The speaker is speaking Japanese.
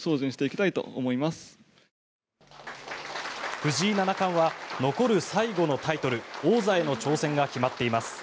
藤井七冠は残る最後のタイトル王座への挑戦が決まっています。